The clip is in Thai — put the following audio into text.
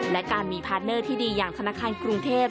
และการมีพาร์ทเนอร์ที่ดีอย่างธนาคารกรุงเทพ